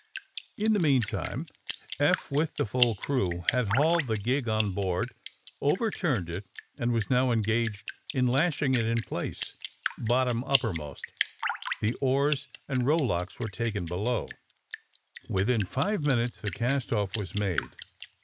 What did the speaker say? In the meantime, Eph, with the full crew, had hauled the gig on board, overturned it and was now engaged in lashing it in place, bottom up permost. The oars and rowlocks were taken below. Within five minutes the cast off was made.